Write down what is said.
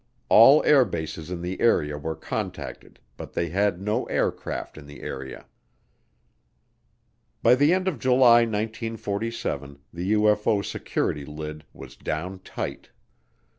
All air bases in the area were contacted but they had no aircraft in the area. By the end of July 1947 the UFO security lid was down tight.